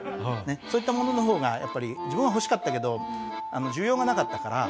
そういったものの方がやっぱり自分は欲しかったけど需要がなかったから。